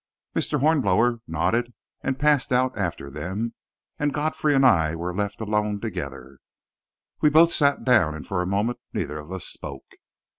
Mr. Hornblower nodded and passed out after them, and Godfrey and I were left alone together. We both sat down, and for a moment neither of us spoke.